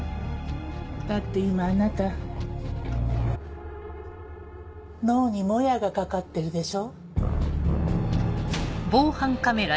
だって今あなた脳にモヤがかかってるでしょ？